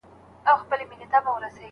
آیا اونۍ تر ورځي اوږده ده؟